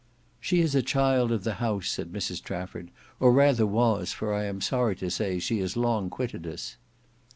"She is a child of the house," said Mrs Trafford, "or rather was, for I am sorry to say she has long quitted us."